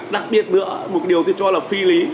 đặc biệt nữa một điều tôi cho là phi lý